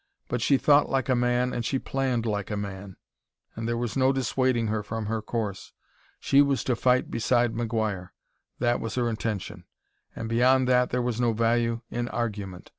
But she thought like a man and she planned like a man. And there was no dissuading her from her course. She was to fight beside McGuire that was her intention and beyond that there was no value in argument.